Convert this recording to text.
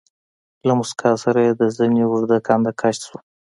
له موسکا سره يې د زنې اوږده کنده کش شوه.